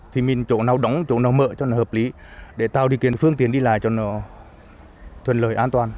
thì mình chỗ nào đóng chỗ nào mở cho nó hợp lý để tạo đi kiến phương tiến đi lại cho nó thuận lợi an toàn